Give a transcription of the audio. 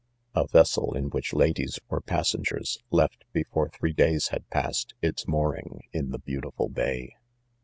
6 A vessel in which ladies were passengers, left, before three days had passed, its mooring in the beautiful bay..